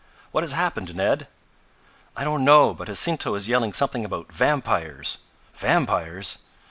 "What has happened, Ned?" "I don't know, but Jacinto is yelling something about vampires!" "Vampires?"